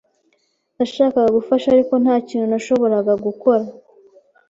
Nashakaga gufasha, ariko nta kintu nashoboraga gukora.